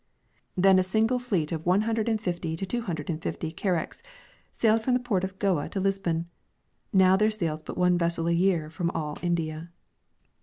Then a single fleet of one hundred and fifty to two hundred and fifty caracks sailed from the port of Goa to Lisbon ; now there sails but one vessel a year from all India.